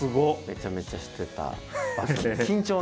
めちゃめちゃしてた場所です。